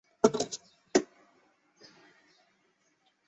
朝格特巴特尔曾任蒙古国外交部多边合作司副司长。